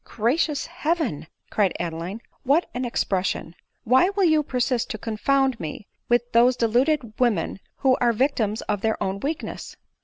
" Gracious heaven !" cried Adeline, " what an expres sion ! Why will you persist to confound me with those deluded women who are victims of their own weakness?"